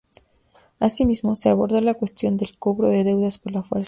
Asimismo, se abordó la cuestión del cobro de deudas por la fuerza.